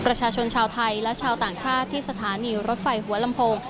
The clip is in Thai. ประชาชนชาวไทยและชาวต่างชาติที่สถานีรถไฟหัวลำโพง